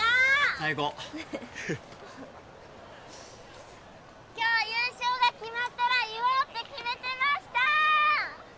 最高フッ今日優勝が決まったら言おうって決めてました！